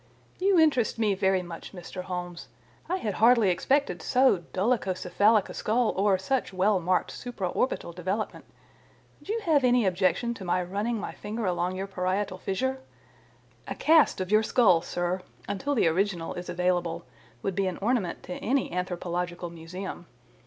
You interest me very much, Mr. Holmes. I had hardly expected so dolichocephalic a skull or such well marked supra orbital development. Would you have any objection to my running my finger along your parietal fissure? A cast of your skull, sir, until the original is available, would be an ornament to any anthropological museum.